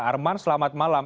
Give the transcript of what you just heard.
arman selamat malam